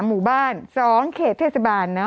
กรมป้องกันแล้วก็บรรเทาสาธารณภัยนะคะ